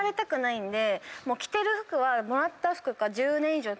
着てる服は。